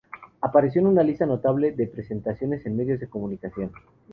Apareció en una lista notable de presentaciones en medios de comunicación.